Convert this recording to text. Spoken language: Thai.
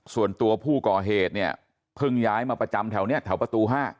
ส่วนตัวผู้ก่อเหตุเนี่ยเพิ่งย้ายมาประจำแถวบท๕